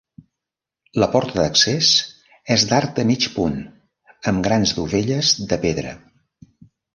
La porta d'accés és d'arc de mig punt amb grans dovelles de pedra.